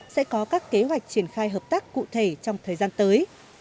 sẽ có các kế hoạch triển khai hợp tác cụ thể trong thời gian tới